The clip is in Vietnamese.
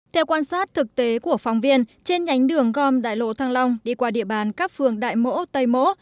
theo quan sát thực tế của phóng viên trên nhánh đường gom đại lộ thăng long đi qua địa bàn các phường đại mỗ tây mỗ